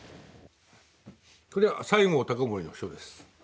これは西郷隆盛の書です。